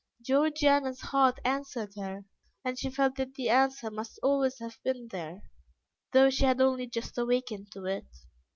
Georgiana's heart answered her, and she felt that the answer must always have been there, though she had only just awakened to it.